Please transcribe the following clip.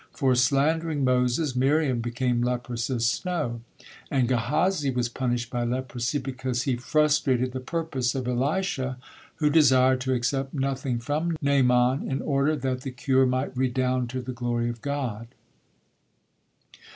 For slandering Moses Miriam became leprous as snow; and Gehazi was punished by leprosy because he frustrated the purpose of Elisha, who desired to accept nothing from Naaman in order that the cure might redound to the glory of God.